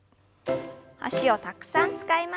脚をたくさん使いました。